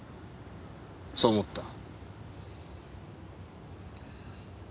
そう思った。